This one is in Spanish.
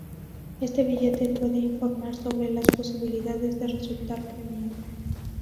Este billete puede informar sobre las posibilidades de resultar premiado.